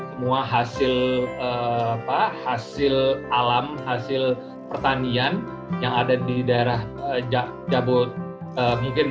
semua hasil alam hasil pertanian yang ada di daerah jabodetabek bogor dan sekitarnya